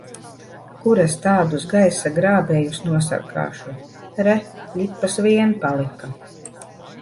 Kur es tādus gaisa grābējus nosargāšu! Re, ļipas vien palika!